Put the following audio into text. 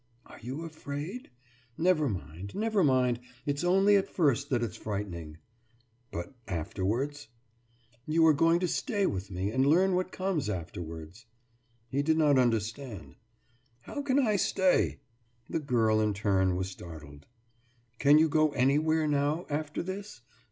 Are you afraid? Never mind, never mind it's only at first that it's frightening.« »But afterwards?« »You are going to stay with me and learn what comes afterwards.« He did not understand. »How can I stay?« The girl, in her turn, was startled. »Can you go anywhere now, after this?